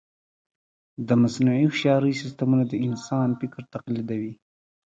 د مصنوعي هوښیارۍ سیسټمونه د انسان فکر تقلیدوي.